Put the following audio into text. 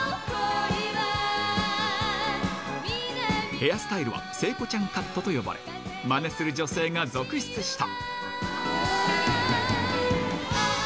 ヘアスタイルは、聖子ちゃんカットと呼ばれ、まねする女性が続出した。